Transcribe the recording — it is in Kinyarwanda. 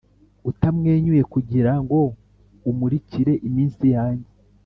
utamwenyuye kugirango umurikire iminsi yanjye,